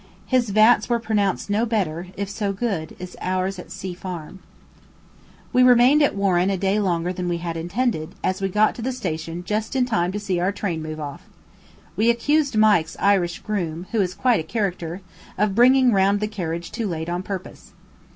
His vats were pronounced no better, if so good, as ours at C Farm. We remained at Warren a day longer than we had intended, as we got to the station just in time to see our train move off. We accused Mike's Irish groom, who is quite a character, of bringing round the carriage too late on purpose.